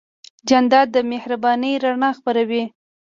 جانداد د مهربانۍ رڼا خپروي.